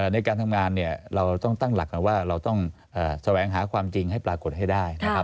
ในการทำงานเนี่ยเราต้องตั้งหลักกันว่าเราต้องแสวงหาความจริงให้ปรากฏให้ได้นะครับ